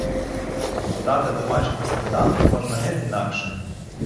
Подати домашній сніданок можна геть інакше.